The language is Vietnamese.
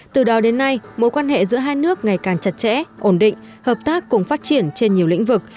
từ đó đến nay mối quan hệ giữa hai nước ngày càng chặt chẽ ổn định hợp tác cùng phát triển trên nhiều lĩnh vực